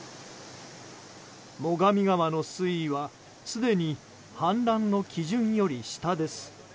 最上川の水位はすでに氾濫の基準より下です。